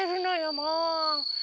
もう。